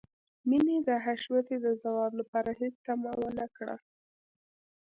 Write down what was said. مينې د حشمتي د ځواب لپاره هېڅ تمه ونه کړه.